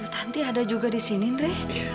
tanti ada juga di sini andre